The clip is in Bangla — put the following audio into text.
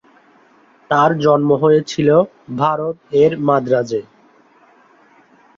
তাঁর জন্ম হয়েছিল ভারত-এর মাদ্রাজে।